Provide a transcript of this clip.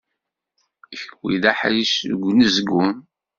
Kenwi d aḥric seg unezgum.